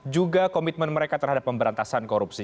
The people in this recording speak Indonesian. juga komitmen mereka terhadap pemberantasan korupsi